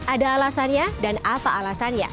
ada alasannya dan apa alasannya